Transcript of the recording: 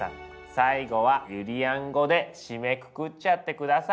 最後はゆりやん語で締めくくっちゃって下さい！